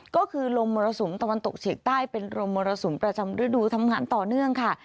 ก็คือลมมรสุมตะวันตกเฉียงใต้เป็นลมมรสุมประจำฤดูทำงานต่อเนื่องค่ะ